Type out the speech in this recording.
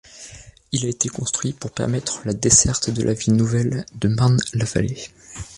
Il a été construit pour permettre la desserte de la ville nouvelle de Marne-la-Vallée.